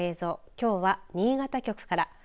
きょうは新潟局から。